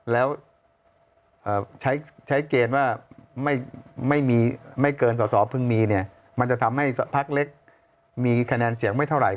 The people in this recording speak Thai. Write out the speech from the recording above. แล้วใช้เกณฑ์ว่าไม่เกินสอสอเพิ่งมีเนี่ยมันจะทำให้พักเล็กมีคะแนนเสียงไม่เท่าไห